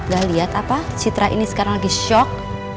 gak lihat apa citra ini sekarang lagi shock